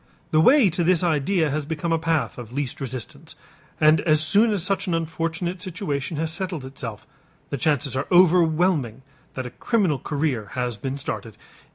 The way to this idea has become a path of least resistance, and as soon as such an unfortunate situation has settled itself, the chances are overwhelming that a criminal career has been started.